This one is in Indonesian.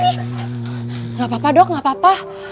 bih gak apa apa dok gak apa apa